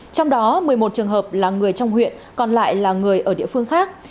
trong đó một mươi một trường hợp là người trong huyện còn lại là người ở địa phương khác